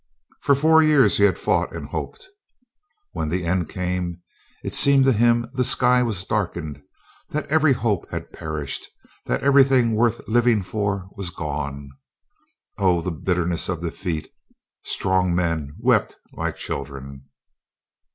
For four years he had fought and hoped. When the end came it seemed to him the sky was darkened, that every hope had perished, that everything worth living for was gone. Oh, the bitterness of defeat! Strong men wept like children.